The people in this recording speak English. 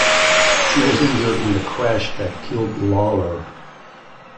She was injured in the crash that killed Lawlor.